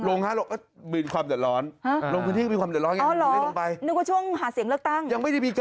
ลงครับมีความเดินร้อนลงพื้นที่มีความเดินร้อนอย่างนี้